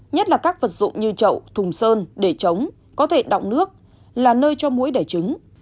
nhất là các vật dụng như trậu thùng sơn để trống có thể đọng nước là nơi cho mũi đẻ trứng